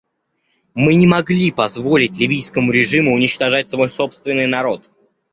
Мы не могли позволить ливийскому режиму уничтожать свой собственный народ.